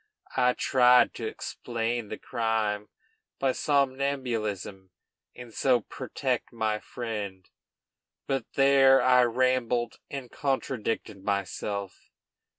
I tried to explain the crime by somnambulism, and so protect my friend; but there I rambled and contradicted myself.